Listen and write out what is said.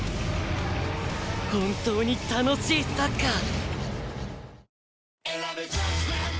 本当に楽しいサッカー！